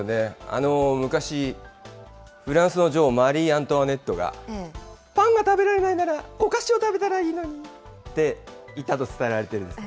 昔、フランスの女王、マリー・アントワネットが、パンが食べられないならお菓子を食べたらいいのにって言ったと伝えられているんです。